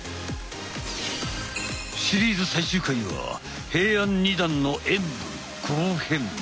シリーズ最終回は平安二段の演武後編。